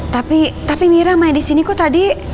tapi tapi mira main di sini kok tadi